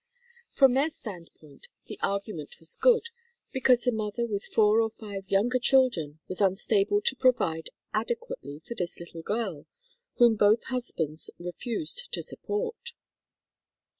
From their standpoint the argument was good, because the mother with four or five younger children was unable to provide adequately for this little girl, whom both husbands re fused to support.